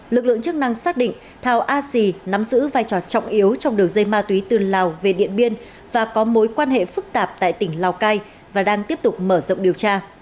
lực lượng chức năng xác định thao a sì nắm giữ vai trò trọng yếu trong đường dây ma túy từ lào về điện biên và có mối quan hệ phức tạp tại tỉnh lào cai và đang tiếp tục mở rộng điều tra